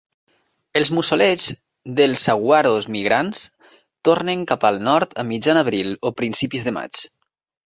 Els mussolets dels saguaros migrants tornen cap al nord a mitjan abril o principis de maig.